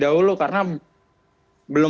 dahulu karena belum